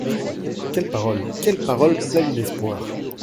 Quelle parole ? quelle parole pleine d’espoir ?